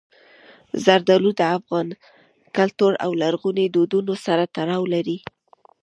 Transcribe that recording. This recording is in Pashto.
زردالو د افغان کلتور او لرغونو دودونو سره تړاو لري.